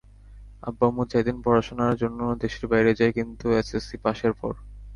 আব্বু-আম্মু চাইতেন পড়াশোনার জন্য দেশের বাইরে যাই, কিন্তু এসএসসি পাসের পর।